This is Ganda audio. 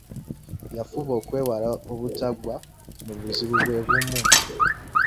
Yafuba okwewala obutagwa mu buzibu bwe bumu.